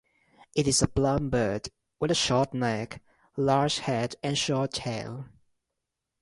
It is a plump bird, with a short neck, large head and short tail.